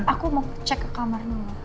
aku mau cek ke kamar dulu